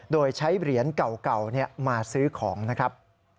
โดยใช้เหรียญเก่ามาซื้อของนะครับ